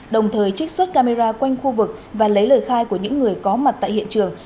đồng thời trích xuất camera quanh khu vực và lấy lời khai của những người có mặt tại hiện trường